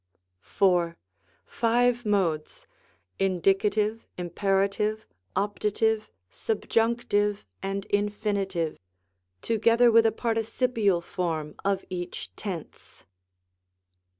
4. Five Modes: Indicative, Imperative, Optative, Subjunctive, and Infinitive, together with a participial form of each tense.